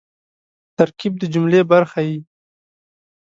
ترکیب د جملې برخه يي.